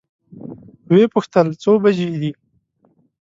وې پوښتل څو بجې دي؟